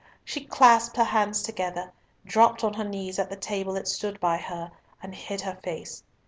She clasped her hands together, dropped on her knees at the table that stood by her, and hid her face.